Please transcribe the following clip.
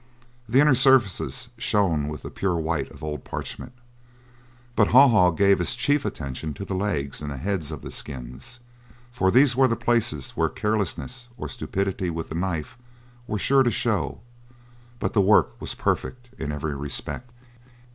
The inner surfaces shone with the pure white of old parchment But Haw Haw gave his chief attention to the legs and the heads of the skins, for these were the places where carelessness or stupidity with the knife were sure to show; but the work was perfect in every respect.